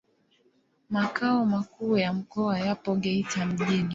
Makao makuu ya mkoa yapo Geita mjini.